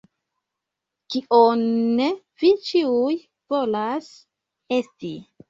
Kion... vi ĉiuj volas esti.